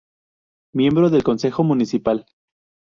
Miembro del Consejo Municipal.